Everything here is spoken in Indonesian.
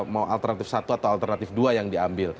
mau alternatif satu atau alternatif dua yang diambil